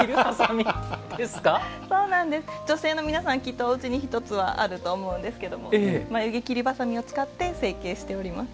女性の皆さん、きっとおうちに１つはあると思うんですけれども眉毛きりばさみを使って成形しております。